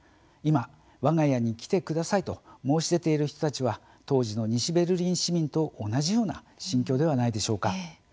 今、わが家に来てくださいと申し出ている人たちは、当時の西ベルリン市民と同じような心境ではないでしょうか。